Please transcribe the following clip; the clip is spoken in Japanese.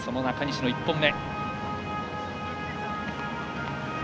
中西の２本目。